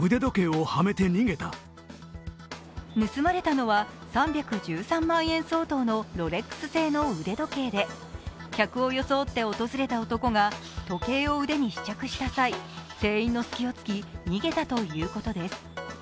盗まれたのは３１３万円相当のロレックス製の腕時計で客を装って訪れた男が時計を腕に試着した際、店員の隙をつき、逃げたということです。